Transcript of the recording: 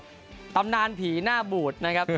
ประตูกินนานผีหน้าบูดนะครับ